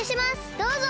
どうぞ！